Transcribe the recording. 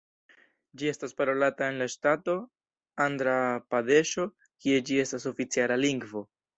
Ĝi estas parolata en la ŝtato Andra-Pradeŝo kie ĝi estas oficiala lingvo.